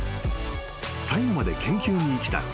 ［最後まで研究に生きた藤田］